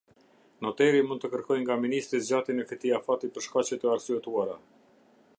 Noteri mund të kërkojë nga Ministri zgjatjen e këtij afati për shkaqe të arsyetuara.